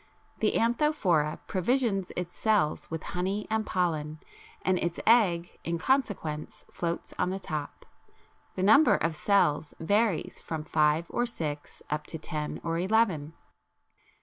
The Anthophora provisions its cells with honey and pollen, and its egg in consequence floats on the top the number of cells varies from five or six up to ten or eleven.